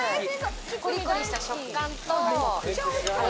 コリコリした食感と。